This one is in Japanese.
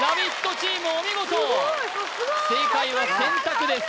チームお見事正解は洗濯です